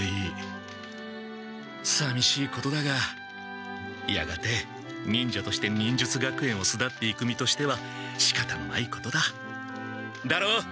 さみしいことだがやがて忍者として忍術学園をすだっていく身としてはしかたのないことだ。だろう？